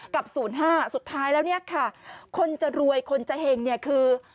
กับศูนย์ห้าสุดท้ายแล้วเนี้ยค่ะคนจะรวยคนจะแห่งเนี้ยคือ